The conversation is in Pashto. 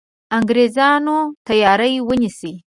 انګرېزانو تیاری ونیسي.